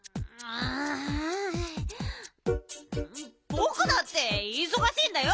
ぼくだっていそがしいんだよ。